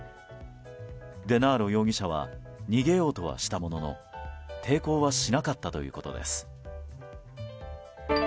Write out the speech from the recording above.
デナーロ容疑者は逃げようとはしたものの抵抗はしなかったということです。